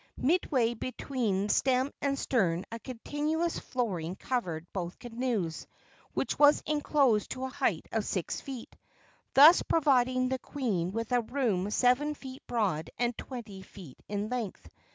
Midway between stem and stern a continuous flooring covered both canoes, which was enclosed to a height of six feet, thus providing the queen with a room seven feet broad and twenty feet in length.